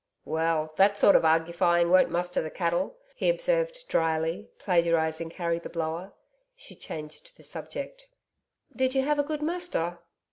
'Well, that sort of argufying won't muster the cattle,' he observed drily, plagiarising Harry the Blower. She changed the subject. 'Did you have a good muster?'